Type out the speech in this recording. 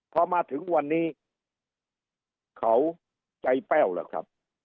พอมาถึงวันนี้เขาใจแป้วแล้วครับ